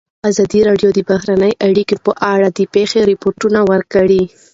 ازادي راډیو د بهرنۍ اړیکې په اړه د پېښو رپوټونه ورکړي.